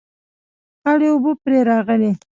خړې اوبه پرې راغلې